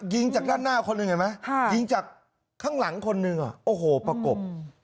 ยิงจากด้านหน้าคนหนึ่งเห็นไหมยิงจากข้างหลังคนหนึ่งโอ้โหประกบ